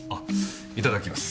いただきます。